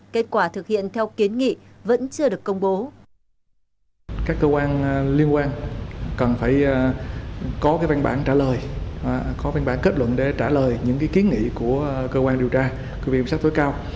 kết quả thực hiện theo kiến nghị vẫn chưa được công bố